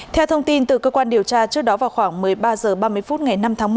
theo thông tin từ cơ quan điều tra trước đó vào khoảng một mươi ba h ba mươi phút ngày năm tháng một